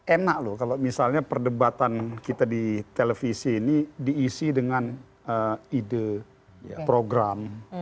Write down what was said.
enak loh kalau misalnya perdebatan kita di televisi ini diisi dengan ide program